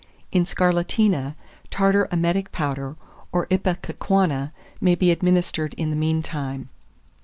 In scarlatina, tartar emetic powder or ipecacuanha may be administered in the mean time.